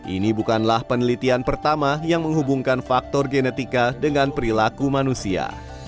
ini bukanlah penelitian pertama yang menghubungkan faktor genetika dengan perilaku manusia